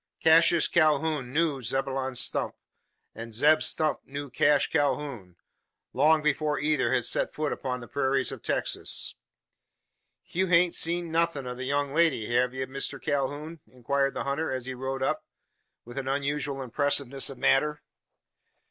Cassius Calhoun knew Zebulon Stump, and Zeb Stump knew Cash Calhoun, long before either had set foot upon the prairies of Texas. "You hain't seed nuthin' o' the young lady, hev ye, Mister Calhoun?" inquired the hunter, as he rode up, with an unusual impressiveness of manner.